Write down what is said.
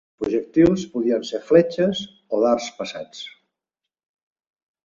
Els projectils podien ser fletxes o dards pesats.